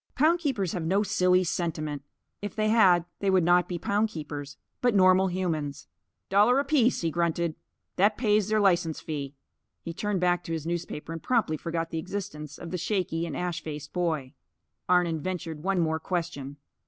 Pound keepers have no silly sentiment. If they had, they would not be pound keepers, but normal humans. "Dollar apiece," he grunted. "That pays their license fee." He turned back to his newspaper and promptly forgot the existence of the shaky and ash faced boy. Arnon ventured one more question.